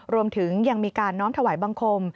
รวมถึงยังมีการน้อมถวายบังคม